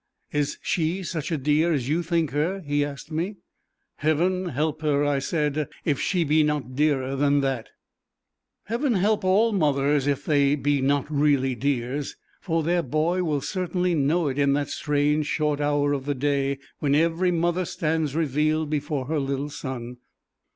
"Is she such a dear as you think her?" he asked me. "Heaven help her," I said, "if she be not dearer than that." Heaven help all mothers if they be not really dears, for their boy will certainly know it in that strange short hour of the day when every mother stands revealed before her little son.